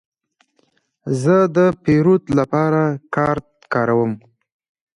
زه د پیرود لپاره کارت کاروم.